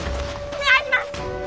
お願いします！